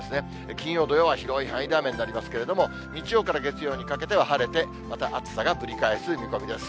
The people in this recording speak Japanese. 金曜、土曜は広い範囲で雨になりますけれども、日曜から月曜にかけては晴れて、また暑さがぶり返す見込みです。